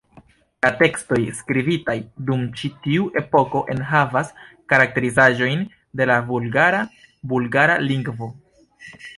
La tekstoj skribitaj dum ĉi tiu epoko enhavas karakterizaĵojn de la vulgara bulgara lingvo.